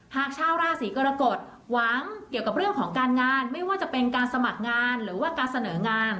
หากชาวราศีกรกฎหวังเกี่ยวกับเรื่องของการงานไม่ว่าจะเป็นการสมัครงานหรือว่าการเสนองาน